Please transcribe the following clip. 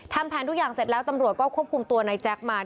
ทำแผนทุกอย่างเสร็จแล้วตำรวจก็ควบคุมตัวในแจ๊คมา